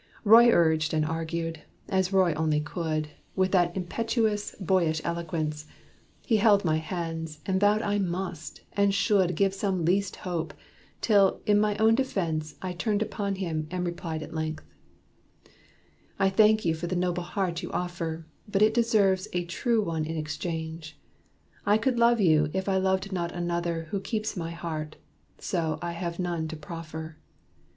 Roy urged and argued, as Roy only could, With that impetuous, boyish eloquence. He held my hands, and vowed I must, and should Give some least hope; till, in my own defense, I turned upon him, and replied at length: "I thank you for the noble heart you offer: But it deserves a true one in exchange. I could love you if I loved not another Who keeps my heart; so I have none to proffer."